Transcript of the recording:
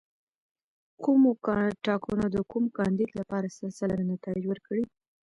کومو ټاکنو د کوم کاندید لپاره سل سلنه نتایج ورکړي.